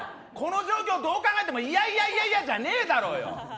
この状況どう考えてもいやいやいやじゃねえだろ！